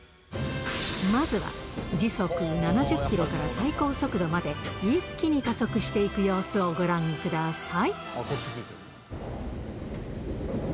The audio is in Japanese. まずは、時速７０キロから最高速度まで一気に加速していく様子をご覧ください。